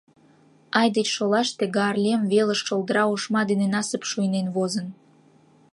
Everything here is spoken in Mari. Ай деч шолаште, Гаарлем велыш шолдыра ошма дене насыпь шуйнен возын.